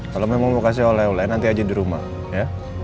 kalau memang mau kasih oleh oleh nanti aja di rumah ya